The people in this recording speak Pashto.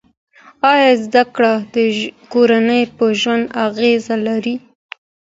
آیا زده کړه د کورنۍ په ژوند اغېزه لري؟